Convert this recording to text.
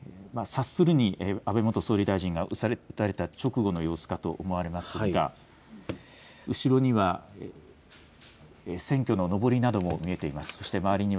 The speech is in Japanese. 察するに安倍元総理大臣が撃たれた直後の様子かと思われますが後ろには選挙ののぼりなども見えています。